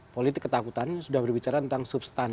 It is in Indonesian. politik ketakutan sudah berbicara tentang substan